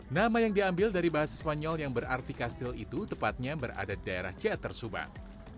nama yang diambil dari bahasa spanyol yang berarti kastil itu tepatnya berada di daerah ceater subang